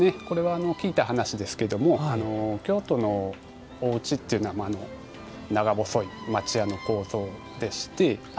これは聞いた話ですけども京都のおうちっていうのは長細い町家の構造でして。